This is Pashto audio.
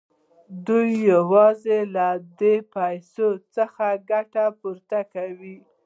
دوی یوازې له دې پیسو څخه ګټه پورته کوي